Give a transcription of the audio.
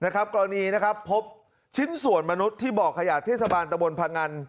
กรณีนะครับพบชิ้นส่วนมนุษย์ที่บ่อขยะเทศบาลตะบนพงัน